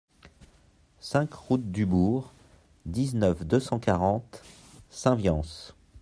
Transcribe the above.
cinq route du Burg, dix-neuf, deux cent quarante, Saint-Viance